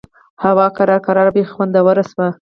هوا ورو ورو بيخي خوندوره شوه.